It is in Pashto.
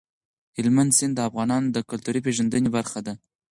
هلمند سیند د افغانانو د کلتوري پیژندنې برخه ده.